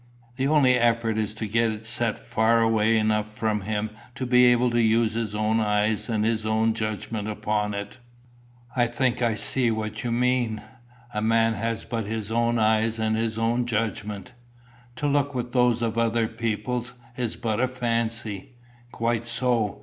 The only effort is to get it set far away enough from him to be able to use his own eyes and his own judgment upon it." "I think I see what you mean. A man has but his own eyes and his own judgment. To look with those of other people is but a fancy." "Quite so.